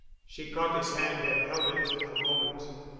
She caught his hand and held it a moment.